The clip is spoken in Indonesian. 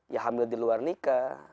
ya hamil di luar nikah